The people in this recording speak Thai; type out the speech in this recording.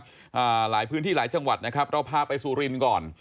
อ่าหลายพื้นที่หลายจังหวัดนะครับเราพาไปสุรินทร์ก่อน